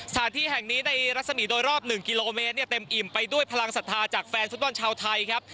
สถานที่แห่งนี้ในรัศมีโดยรอบ๑กิโลเมตรเนี่ยเต็มอิ่มไปด้วยพลังศรัทธาจากแฟนฟุตบอลชาวไทยครับ